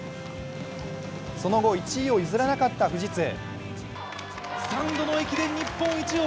その後、１位を譲らなかった富士通。